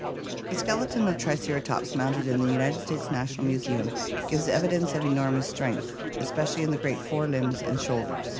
The skeleton of Triceratops mounted in the United States Na tional Museum gives evidence of enormous strength, especially in the great fore limbs and shoulders.